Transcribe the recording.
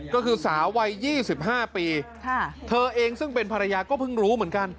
ก็คือสาววัย๒๕ปีเธอเองซึ่งเป็นภรรยาก็เพิ่งรู้เหมือนกัน